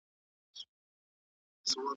دغه نن شپه یې ښودله چي ونه ګورې سبا ته